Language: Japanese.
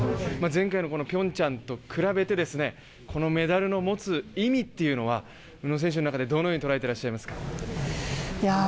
前回のピョンチャンと比べてこのメダルの持つ意味というのは宇野選手の中で、どのように捉えていますか？